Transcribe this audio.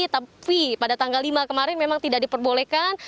tapi pada tanggal lima kemarin memang tidak diperbolehkan